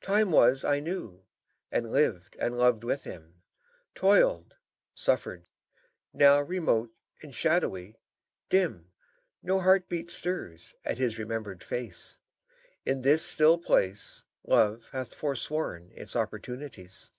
Time was I knew, and lived and loved with him; Toiled, suffered. Now, remote and shadowy, dim, No heartbeat stirs at his remembered face. In this still place Love hath forsworn its opportunities.